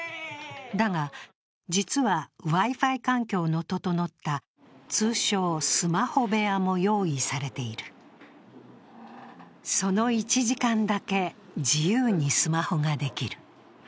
だが実はＷｉ−Ｆｉ環境の整った通称・スマホ部屋も用意されているその１時間だけ自由にスマホができる。